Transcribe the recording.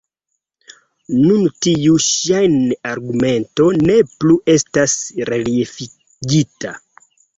Nun tiu ŝajn-argumento ne plu estas reliefigita.